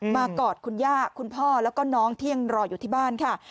กอดคุณย่าคุณพ่อแล้วก็น้องที่ยังรออยู่ที่บ้านค่ะ